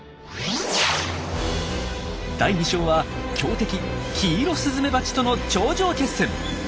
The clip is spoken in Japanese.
第２章は強敵キイロスズメバチとの頂上決戦！